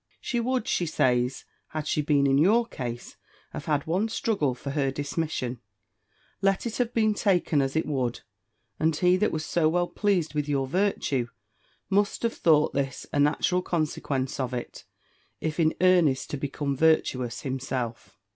She would, she says, had she been in your case, have had one struggle for her dismission, let it have been taken as it would; and he that was so well pleased with your virtue, must have thought this a natural consequence of it, if in earnest to become virtuous himself.